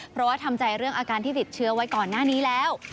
เพราะว่าทำใจเรื่องอาการที่ติดเชื้อไว้ก่อนหน้านี้แล้ว